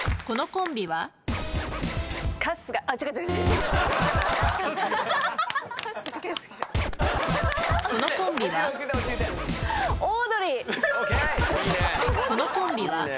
このコンビは？